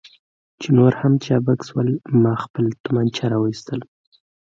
چې نور هم چابک شول، ما خپله تومانچه را وایستل.